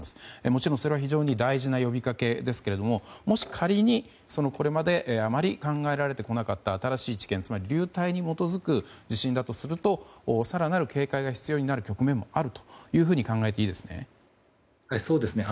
もちろんそれは非常に大事な呼びかけですがもし仮に、これまであまり考えられてこなかった新しい知見流体に基づく地震だとすると更なる警戒が必要になる局面もあると考えていいですね？